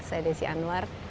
saya desi anwar